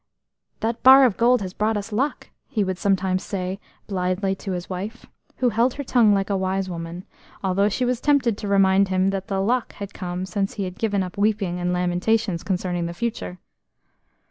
"That bar of gold has brought us luck," he would sometimes say blithely to his wife, who held her tongue like a wise woman, although she was tempted to remind him that the 'luck' had come since he had given up weeping and lamentations concerning the future.